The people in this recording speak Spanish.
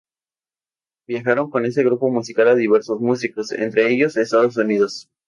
Viajaron con ese grupo musical a diversos músicos, entre ellos Estados Unidos.